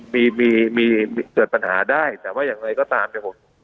มีมีเกิดปัญหาได้แต่ว่าอย่างไรก็ตามเนี่ยผม